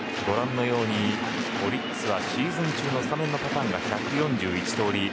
オリックスはシーズン中のスタメンパターンが１４１通り。